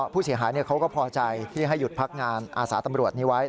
ผู้เสียหายเขาก็พอใจที่ให้หยุดพักงานอาสาตำรวจนี้ไว้